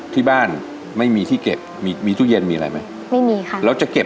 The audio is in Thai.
ที่บ้านไม่มีที่เก็บมีมีตู้เย็นมีอะไรไหมไม่มีค่ะแล้วจะเก็บ